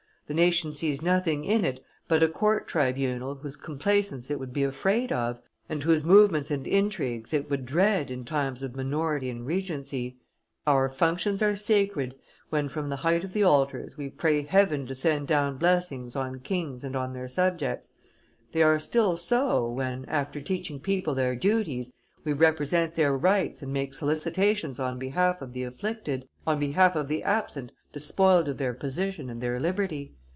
The nation sees nothing in it but a court tribunal whose complaisance it would be afraid of, and whose movements and intrigues it would dread in times of minority and regency. ... Our functions are sacred, when, from the height of the altars, we pray heaven to send down blessings on kings and on their subjects; they are still so, when, after teaching people their duties, we represent their rights and make solicitations on behalf of the afflicted, on behalf of the absent despoiled of their position and their liberty.